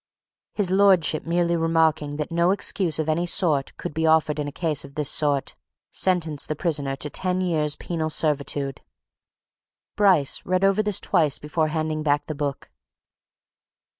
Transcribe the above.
His Lordship, merely remarking that no excuse of any sort could be offered in a case of this sort, sentenced the prisoner to ten years' penal servitude. Bryce read this over twice before handing back the book.